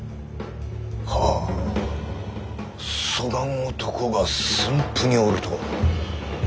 はぁそがん男が駿府におるとは。